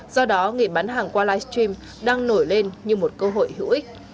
do đó nghề bán hàng qua livestream đang nổi lên như một cơ hội hữu ích